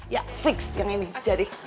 ya fix yang ini jadi